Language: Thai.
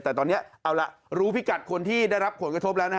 แต่ตอนนี้เอาล่ะรู้พิกัดคนที่ได้รับผลกระทบแล้วนะฮะ